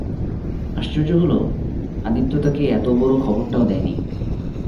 আশ্চর্য হল, আদিত্য তাকে এতবড়ো খবরটাও দেয় নি।